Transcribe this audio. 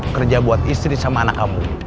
kerja buat istri sampai malam